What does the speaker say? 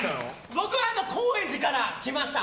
僕は高円寺から来ました。